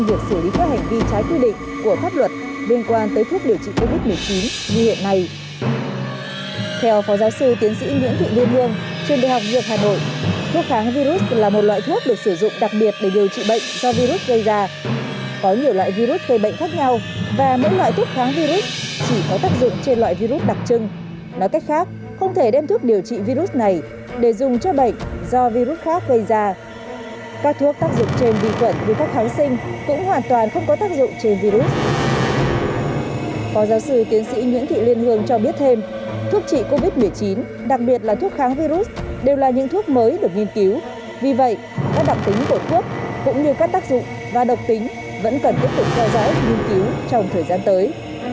vì vậy các đặc tính của thuốc cũng như các tác dụng và độc tính vẫn cần tiếp tục theo dõi nghiên cứu trong thời gian tới